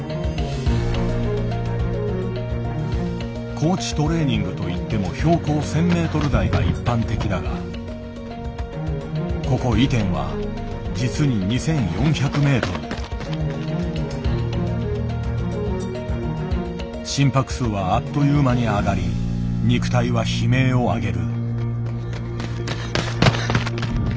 高地トレーニングといっても標高１，０００ｍ台が一般的だがここイテンは実に心拍数はあっという間に上がり肉体は悲鳴を上げる。